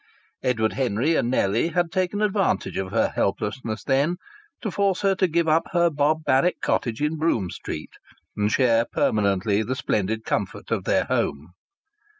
Edward Henry and Nellie had taken advantage of her helplessness, then, to force her to give up her barbaric cottage in Brougham Street and share permanently the splendid comfort of their home.